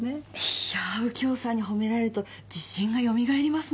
いやぁ右京さんに褒められると自信がよみがえりますね。